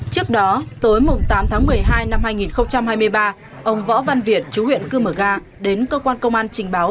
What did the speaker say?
trước đó tối tám tháng một mươi hai năm hai nghìn hai mươi ba ông võ văn việt chú huyện cư mờ ga đến cơ quan công an trình báo